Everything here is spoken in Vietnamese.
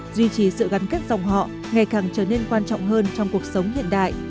duy trì sự gắn kết dòng họ ngày càng trở nên quan trọng hơn trong cuộc sống hiện đại